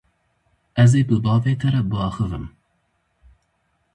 Ez ê bi bavê te re biaxivim.